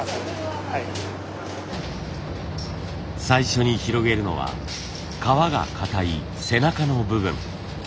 最初に広げるのは革がかたい背中の部分。